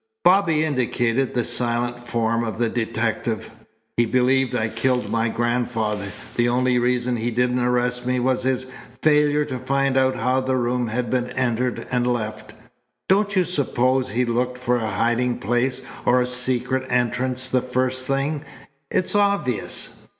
Bobby indicated the silent form of the detective. "He believed I killed my grandfather. The only reason he didn't arrest me was his failure to find out how the room had been entered and left. Don't you suppose he looked for a hiding place or a secret entrance the first thing? It's obvious."